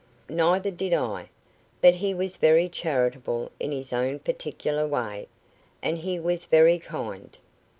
"Neither did I. But he was very charitable in his own particular way, and he was very kind."